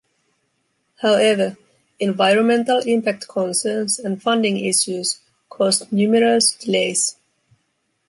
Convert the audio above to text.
However, environmental impact concerns and funding issues caused numerous delays.